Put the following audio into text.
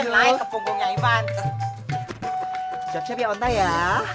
siap siap ya ontak ya